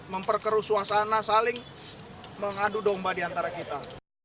memperkeru suasana saling mengadu domba di antara kita